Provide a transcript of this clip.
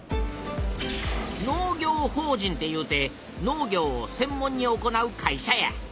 農業法人っていうて農業をせん門に行う会社や。